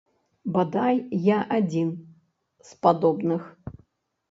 Бадай, я адзін з падобных.